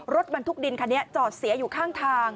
รถบรรทุกดินคันนี้จอดเสียอยู่ข้างทาง